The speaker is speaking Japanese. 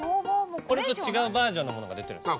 これと違うバージョンのものが出てるんです。